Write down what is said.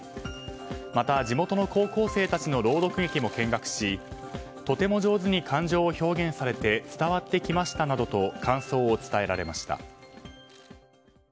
また、地元の高校生たちの朗読劇も見学しとても上手に感情を表現されて伝わってきましたなどと感想を伝えられました。